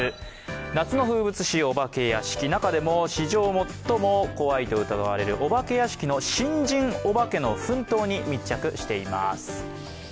夏の風物詩、お化け屋敷、中でも史上最も怖いと言われるお化け屋敷の新人お化けの奮闘に密着しています。